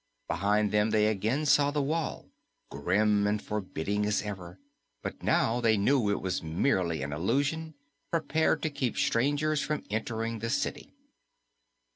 Behind them they again saw the wall, grim and forbidding as ever, but now they knew it was merely an illusion prepared to keep strangers from entering the city.